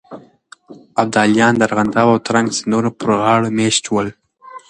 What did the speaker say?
ابداليان د ارغنداب او ترنک سيندونو پر غاړو مېشت شول.